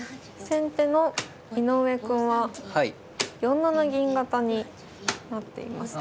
先手の井上くんは４七銀型になっていますね。